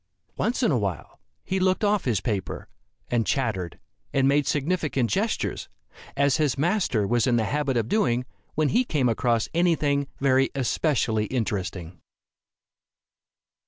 Once in a while he looked off his paper, and chattered, and made significant gestures, as his master was in the habit of doing, when he came across any thing very especially interesting.